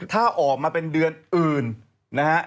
ถ้าออกมาเป็นเดือนอื่นนะฮะ